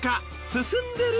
進んでる？